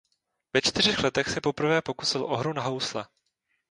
Ve čtyřech letech se poprvé pokusil o hru na housle.